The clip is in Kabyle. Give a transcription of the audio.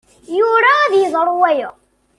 Yura ad yeḍru waya.